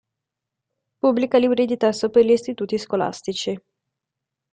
Pubblica libri di testo per gli istituti scolastici.